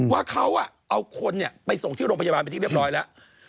ว่าเขาเอาคนไปส่งที่โรงพยาบาลเป็นที่เรียบร้อยแล้ว